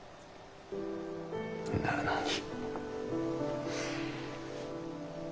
なのに。